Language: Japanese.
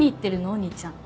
お兄ちゃん。